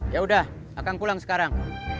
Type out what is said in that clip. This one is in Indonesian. yaudah akan pulang sekarang